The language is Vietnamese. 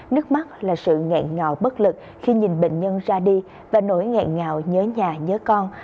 nước mắt là sự ngẹn ngào bất lực khi nhìn bệnh nhân ra đi và nổi ngẹn ngào nhớ nhà nhớ con